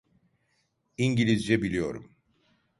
İngilizce biliyorum.